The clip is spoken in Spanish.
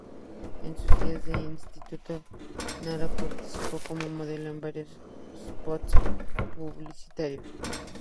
En sus días de instituto, Nara participó como modelo en varios spots publicitarios.